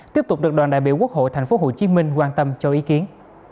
tiếp tục được đoàn đại biểu quốc hội tp hcm quan tâm cho ý kiến